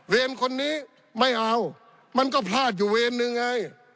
คนนี้ไม่เอามันก็พลาดอยู่เวรหนึ่งไง